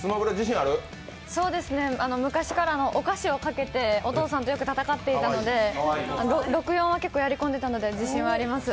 昔からお菓子をかけてお父さんとよく戦っていたので６４は結構やり込んでたので自信はあります。